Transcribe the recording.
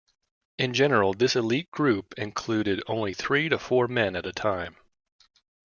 In general, this elite group included only three to four men at a time.